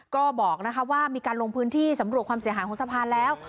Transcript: ก็บอกว่ามีการลงพื้นที่สำรวจความเสียหายของสะพานแล้ว